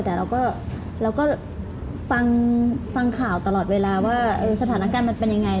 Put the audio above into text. แต่เราก็ฟังข่าวตลอดเวลาว่าสถานการณ์มันเป็นยังไง